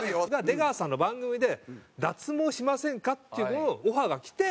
出川さんの番組で脱毛しませんか？っていうオファーがきて。